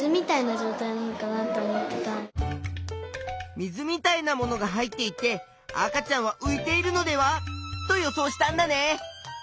水みたいなものが入っていて赤ちゃんは浮いているのではと予想したんだね。